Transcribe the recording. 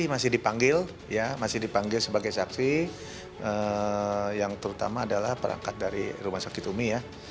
masih dipanggil sebagai saksi yang terutama adalah perangkat dari rumah sakit umi